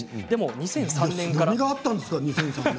２００３年に何があったんですか。